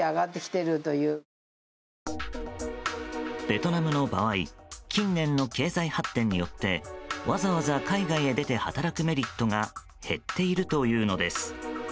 ベトナムの場合近年の経済発展によってわざわざ海外へ出て働くメリットが減っているというのです。